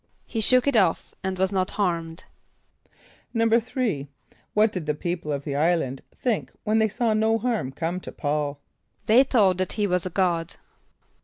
=He shook it off and was not harmed.= =3.= What did the people of the island think when they saw no harm come to P[a:]ul? =They thought that he was a god.